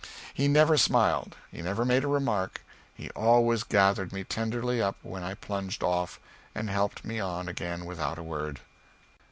He never smiled; he never made a remark; he always gathered me tenderly up when I plunged off, and helped me on again without a word.